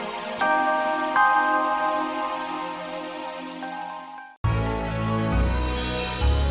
aku pelanjangin kamu aku buang ke sungai itu